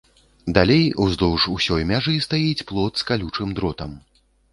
Далей уздоўж усёй мяжы стаіць плот з калючым дротам.